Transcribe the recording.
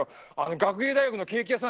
学芸大学のケーキ屋さんで会ったの！